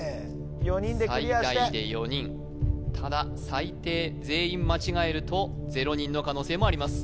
４人でクリアして最大で４人ただ最低全員間違えると０人の可能性もあります